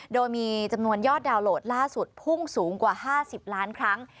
โดยมีจำนวนยอดดาวน์โหลดล่าสุดพุ่งสูงกว่า๕๐ล้านครั้ง